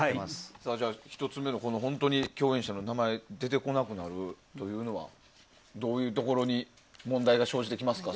１つ目の共演者の名前出てこなくなるというのはどういうところに問題が生じてきますか。